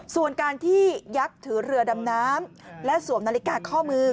ส่วนการที่ยักษ์ถือเรือดำน้ำและสวมนาฬิกาข้อมือ